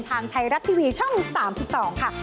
ทางไทยรัฐทีวีช่อง๓๒ค่ะ